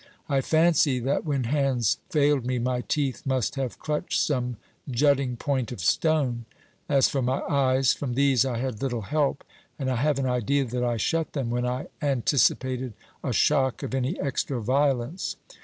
I fancy that when hands failed me my teeth must have clutched some jutting point of stone. As for my eyes, from these I had little help, and I have an idea that I shut them when I anticipated a shock of any extra violence.